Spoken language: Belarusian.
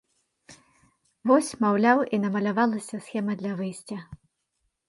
Вось, маўляў, і намалявалася схема для выйсця.